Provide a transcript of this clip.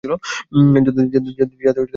যাতে আমি কাজে ফিরে যাই?